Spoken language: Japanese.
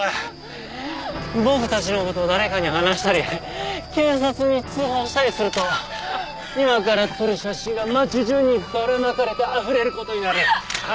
僕たちの事を誰かに話したり警察に通報したりすると今から撮る写真が町中にばらまかれてあふれる事になる。